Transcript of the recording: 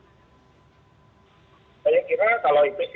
saya kira kalau itu